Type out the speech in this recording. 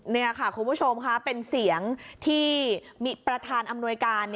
นี่ค่ะคุณผู้ชมค่ะเป็นเสียงที่ประธานอำนวยการ